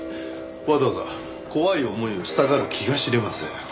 わざわざ怖い思いをしたがる気が知れません。